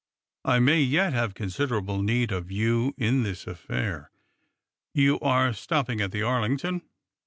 I may yet have considerable need of you in this affair. You are stopping at the Arlington?